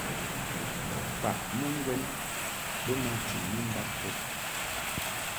Faʼ ma ŋgwɛn bə ma chɨŋni mbad kɛd.